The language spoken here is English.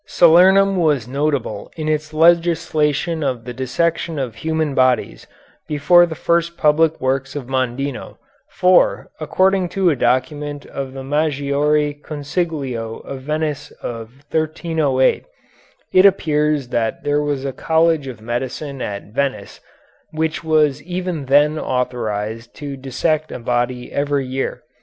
"Salernum was notable in its legalization of the dissection of human bodies before the first public work of Mondino, for, according to a document of the Maggiore Consiglio of Venice of 1308, it appears that there was a college of medicine at Venice which was even then authorized to dissect a body every year.